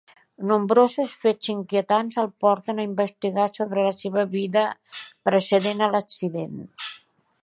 Nombrosos fets inquietants el porten a investigar sobre la seva vida precedent a l'accident.